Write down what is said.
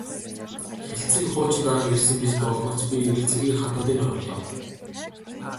Хэлтсийн хуучин дарга ирсэн гэж дуулмагц би эргэлзэлгүй хадам дээр орлоо.